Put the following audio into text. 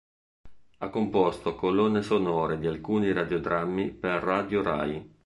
Ha composto colonne sonore di alcuni radiodrammi per Radio Rai.